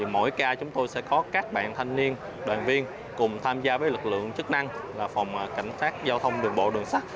mỗi ca chúng tôi sẽ có các bạn thanh niên đoàn viên cùng tham gia với lực lượng chức năng là phòng cảnh sát giao thông đường bộ đường sắt